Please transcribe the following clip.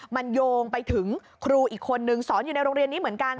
มันโยงไปถึงครูอีกคนนึงสอนอยู่ในโรงเรียนนี้เหมือนกัน